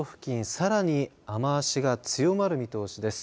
さらに雨足が強まる見通しです。